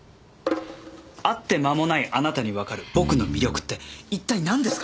会って間もないあなたにわかる僕の魅力って一体なんですか？